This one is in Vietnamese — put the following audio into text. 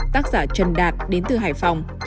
tác giả trần đạt đến từ hải phòng